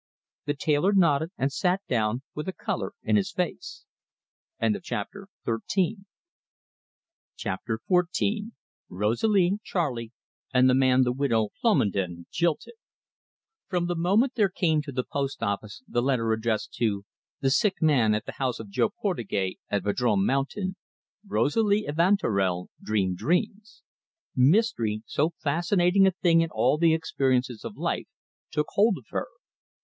The tailor nodded, and sat down with a colour in his face. CHAPTER XIV. ROSALIE, CHARLEY, AND THE MAN THE WIDOW PLOMONDON JILTED From the moment there came to the post office the letter addressed to "The Sick Man at the House of Jo Portugais at Vadrome Mountain," Rosalie Evanturel dreamed dreams. Mystery, so fascinating a thing in all the experiences of life, took hold of her.